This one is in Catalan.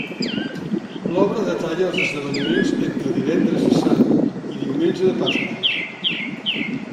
L'obra detalla els esdeveniments entre Divendres Sant i diumenge de Pasqua.